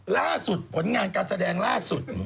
ล่าสุดผลงานการแสดงล่าสุด